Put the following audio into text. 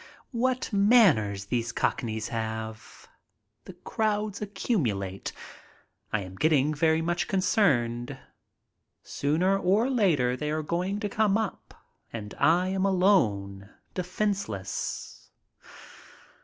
What man ners these cockneys have! The crowds accumulate. I am getting very much concerned. Sooner or later they are going to come up, and I am alone, defenseless.